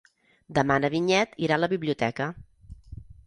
Demà na Vinyet irà a la biblioteca.